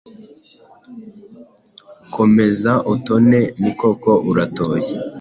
komeza utone ni koko uratoshye